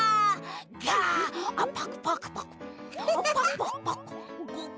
ガッパクパクパクパク。